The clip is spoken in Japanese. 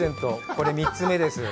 これ、３つ目です。